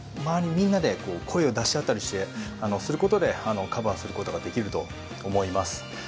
みんなで声を出し合ったりすることでカバーすることができると思います。